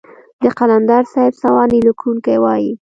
د قلندر صاحب سوانح ليکونکي وايي.